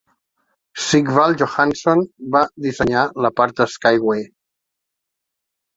Sigvald Johannesson va dissenyar la part de Skyway.